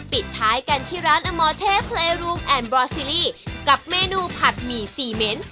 ปิดท้ายกันที่ร้านอมอเทเพลย์รูมแอนด์บรอซิลีกับเมนูผัดหมี่สีเม้น